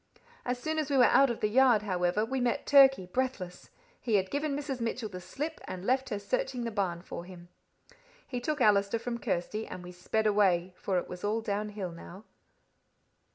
As soon as we were out of the yard, however, we met Turkey, breathless. He had given Mrs. Mitchell the slip, and left her searching the barn for him. He took Allister from Kirsty, and we sped away, for it was all downhill now.